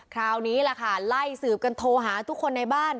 คราวนี้ล่ะค่ะไล่สืบกันโทรหาทุกคนในบ้าน